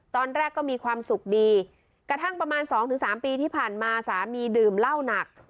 ตอนแรกก็มีความสุขดีกระทั่งประมาณสองถึงสามปีที่ผ่านมาสามีดื่มเหล้าหนัก